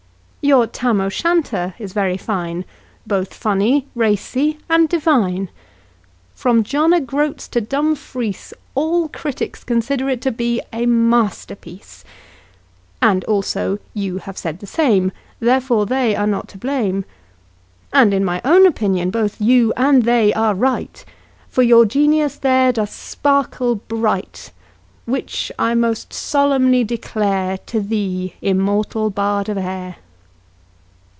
Your "Tam O'Shanter" is very fine, Both funny, racy, and divine, From John O'Groats to Dumfries All critics consider it to be a masterpiece, And, also, you have said the same, Therefore they are not to blame. And in my own opinion both you and they are right, For your genius there does sparkle bright, Which I most solemnly declare To thee, Immortal Bard of Ayr!